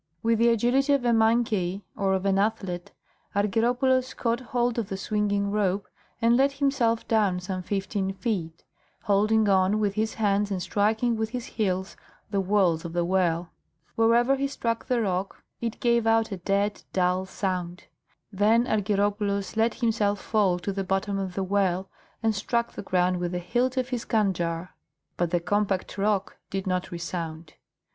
With the agility of a monkey or of an athlete, Argyropoulos caught hold of the swinging rope and let himself down some fifteen feet, holding on with his hands and striking with his heels the walls of the well. Wherever he struck the rock it gave out a dead, dull sound. Then Argyropoulos let himself fall to the bottom of the well and struck the ground with the hilt of his kandjar, but the compact rock did not resound.